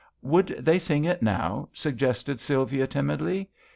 " Would they sing it now ?" suggested Sylvia, timidly.